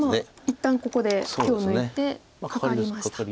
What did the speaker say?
一旦ここで手を抜いてカカりました。